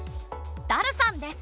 ダルさんです。